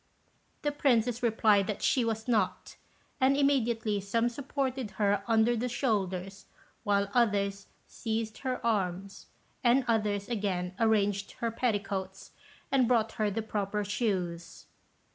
The princess replied that she was not; and immediately some supported her under the shoulders, while others seized her arms, and others again arranged her petticoats, and brought her the proper shoes.